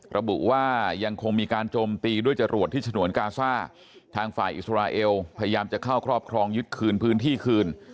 ระบุว่ายังคงมีการโจมตีด้วยจรวดที่ฉนวนกาซ่าทางฝ่ายอิสราเอลพยายามจะเข้าครอบครองยึดคืนพื้นที่คืน